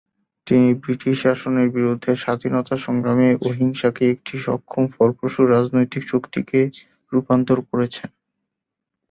তিনি ব্রিটিশ শাসনের বিরুদ্ধে স্বাধীনতা সংগ্রামে অহিংসাকে একটি সক্ষম ফলপ্রসূ রাজনৈতিক শক্তিতে রূপান্তর করেছেন।